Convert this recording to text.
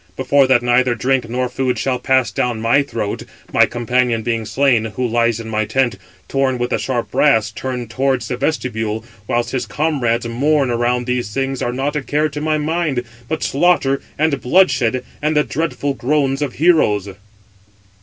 Before that neither drink nor food shall pass down my throat, my companion being slain, who lies in my tent, torn with the sharp brass, turned towards the vestibule, whilst his comrades mourn around these things are not a care to my mind, but slaughter and bloodshed, and the dreadful groans of heroes."